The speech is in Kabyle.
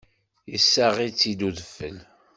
Yessaɣ-itt-id udfel.